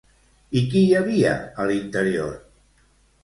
I qui hi havia a l'interior?